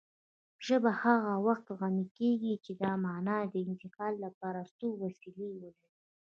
ژبه هغه وخت غني کېږي چې د مانا د انتقال لپاره څو وسیلې ولري